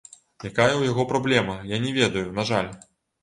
Якая ў яго праблема, я не ведаю, на жаль.